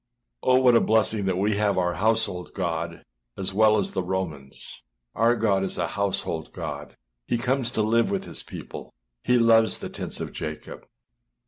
â Oh! what a blessing that we have our household God as well as the Romans! Our God is a household God. He comes to live with his people; he loves the tents of Jacob.